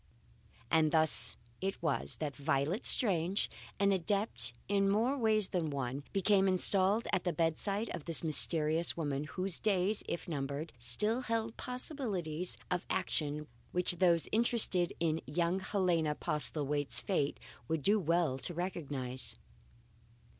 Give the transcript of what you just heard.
And thus it was that Violet Strange an adept in more ways than one became installed at the bedside of this mysterious woman, whose days, if numbered, still held possibilities of action which those interested in young Helena Postlethwaite's fate would do well to recognize.